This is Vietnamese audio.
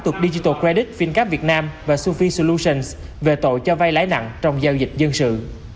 thuộc digital credit fincap việt nam và sofhie solutions về tội cho vay lãi nặng trong giao dịch dân sự